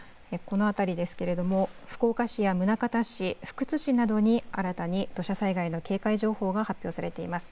この辺りですけれども、福岡市や宗像市、福津市などに新たに土砂災害警戒情報が発表されています。